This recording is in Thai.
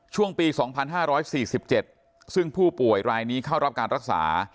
ช่วงปี๒๕๔๗ซึ่งผู้ป่วยรายนี้เข้ารับการรักษา